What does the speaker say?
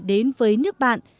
đến với nước bạn